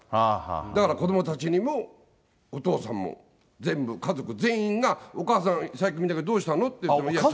だから子どもたちにも、お父さんも全部、家族全員が最近、お母さん見ないけどどうしたの？って言われて。